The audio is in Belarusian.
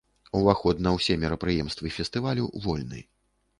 Уваход на ўсе мерапрыемствы фестывалю вольны.